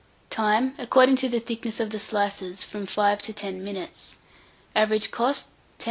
Time. According to the thickness of the slices, from 5 to 10 minutes. Average cost, 10d.